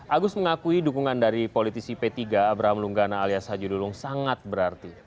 agus mengakui dukungan dari politisi p tiga abraham lunggana alias haji lulung sangat berarti